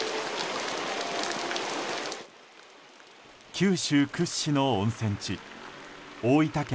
九州屈指の温泉地大分県